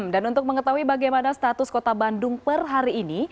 dan untuk mengetahui bagaimana status kota bandung per hari ini